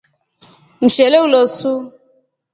Mshele ulosu.